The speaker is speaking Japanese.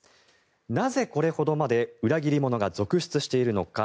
なぜ、これほどまで裏切り者が続出しているのか。